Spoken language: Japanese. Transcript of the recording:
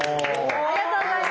ありがとうございます。